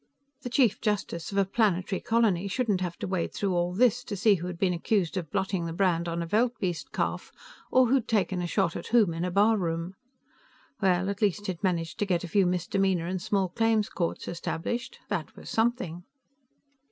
The Chief Justice of a planetary colony shouldn't have to wade through all this to see who had been accused of blotting the brand on a veldbeest calf or who'd taken a shot at whom in a barroom. Well, at least he'd managed to get a few misdemeanor and small claims courts established; that was something.